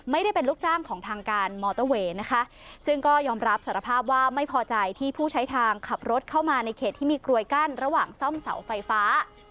ไม่ได้เป็นลูกจ้างของทางการมอเตอร์เวย์นะคะซึ่งก็ยอมรับสารภาพว่าไม่พอใจที่ผู้ใช้ทางขับรถเข้ามาในเขตที่มีกลวยกั้นระหว่างซ่อมเสาไฟฟ้า